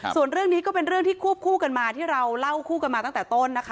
ส่วนเรื่องนี้ก็เป็นเรื่องที่ควบคู่กันมาที่เราเล่าคู่กันมาตั้งแต่ต้นนะคะ